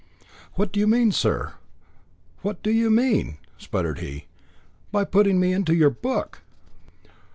"What do you mean, sir? What do you mean?" spluttered he, "by putting me into your book?"